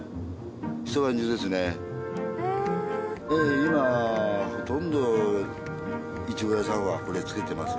今ほとんどいちご屋さんはこれつけてますよ。